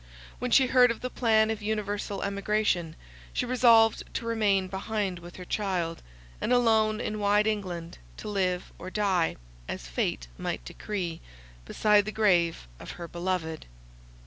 When she heard of the plan of universal emigration, she resolved to remain behind with her child, and alone in wide England to live or die, as fate might decree, beside the grave of her beloved.